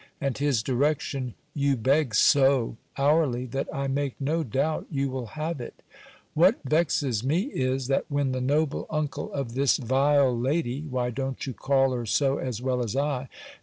And his direction you beg so hourly, that I make no doubt you will have it. What vexes me is, that when the noble uncle of this vile lady (why don't you call her so as well as I?)